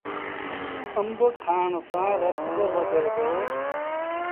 آݩب کآڻ سآݩ رت با وڌي دو۔